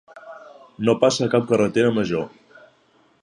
No passa cap carretera major.